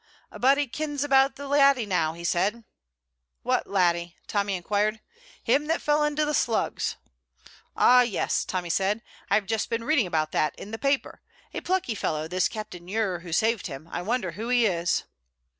"A'body kens about the laddie now," he said. "What laddie?" Tommy inquired. "Him that fell into the Slugs." "Ah, yes," Tommy said; "I have just been reading about it in the paper. A plucky fellow, this Captain Ure who saved him. I wonder who he is."